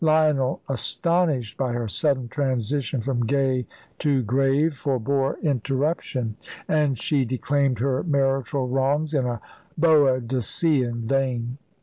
Lionel, astonished by her sudden transition from gay to grave, forbore interruption, and she declaimed her marital wrongs in a Boadicean vein.